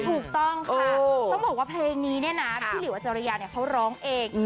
ถูกต้องค่ะต้องบอกว่าเพลงนี้เนี่ยนะพี่หลิวอาจารยาเนี่ยเขาร้องเอง